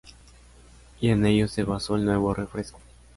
Y en ello se basó el nuevo refresco.